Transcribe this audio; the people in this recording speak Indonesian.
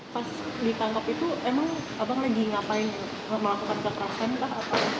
pas ditangkap itu emang abang lagi ngapain melakukan kekerasan kah